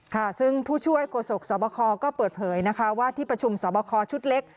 ค่ะซึ่งผู้ช่วยโฆษกสวบคก็เปิดเผยนะคะว่าที่ประชุมสอบคอชุดเล็ก